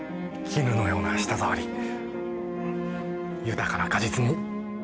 絹のような舌触り豊かな果実味。